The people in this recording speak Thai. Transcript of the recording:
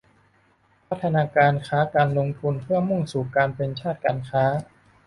พัฒนาการค้าการลงทุนเพื่อมุ่งสู่การเป็นชาติการค้า